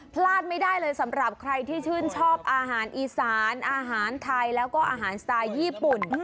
พลาดไม่ได้เลยสำหรับใครที่ชื่นชอบอาหารอีสานอาหารไทยแล้วก็อาหารสไตล์ญี่ปุ่น